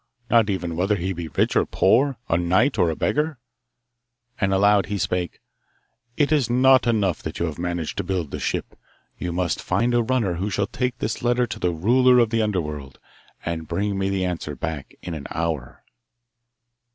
Not even whether he be rich or poor a knight or a beggar.' And aloud he spake: It is not enough that you have managed to build the ship. You must find a runner who shall take this letter to the ruler of the Underworld, and bring me the answer back in an hour.